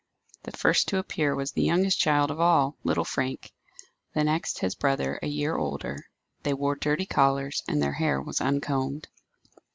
The first to appear was the youngest child of all, little Frank; the next his brother, a year older; they wore dirty collars, and their hair was uncombed.